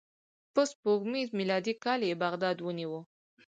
په سپوږمیز میلادي کال یې بغداد ونیو.